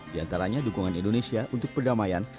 diantaranya dukungan indonesia untuk perdamaian